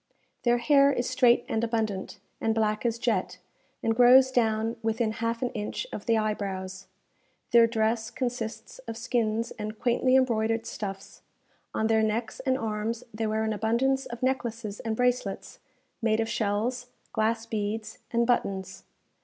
Their hair is straight and abundant, and black as jet, and grows down within half an inch of the eyebrows. Their dress consists of skins and quaintly embroidered stuffs; on their necks and arms they wear an abundance of necklaces and bracelets, made of shells, glass beads, and buttons.